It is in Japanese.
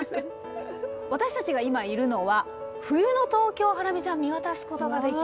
私たちが今いるのは冬の東京をハラミちゃん見渡すことができる。